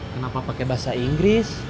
kenapa pake bahasa inggris